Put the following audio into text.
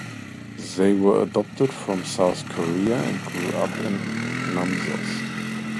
They were adopted from South Korea and grew up in Namsos.